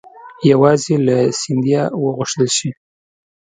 یوازې له سیندهیا وغوښتل شي.